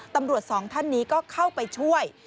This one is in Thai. ตำรวจสองท่านนี้ก็เข้าไปช่วย